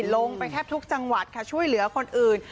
ลงไปแทบทุกจังหวัดค่ะช่วยเหลือคนอื่น